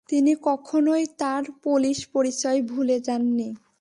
তিনি কখনোই তার পোলিশ পরিচয় ভুলে যাননি।